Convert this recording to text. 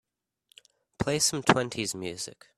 Play some twenties music